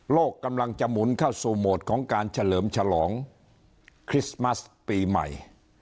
กำลังจะหมุนเข้าสู่โหมดของการเฉลิมฉลองคริสต์มัสปีใหม่